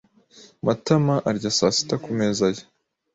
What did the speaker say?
Matama arya saa sita ku meza ye.